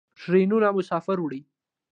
ټرینونه مسافر وړي.